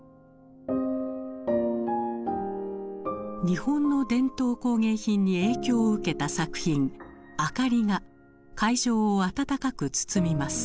日本の伝統工芸品に影響を受けた作品「ＡＫＡＲＩ」が会場を温かく包みます。